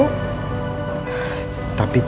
saya masih butuh waktu